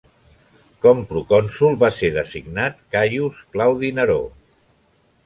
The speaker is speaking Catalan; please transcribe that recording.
Com procònsol va ser designat Caius Claudi Neró.